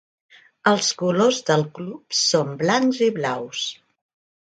Els colors del club són blancs i blaus.